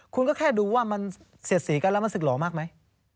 คุณก็แค่ดูว่ามันเสียดสีกันแล้วมันสึกหล่อมากไหม